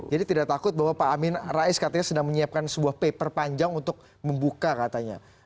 jadi tidak takut bahwa pak amin rais katanya sedang menyiapkan sebuah paper panjang untuk membuka katanya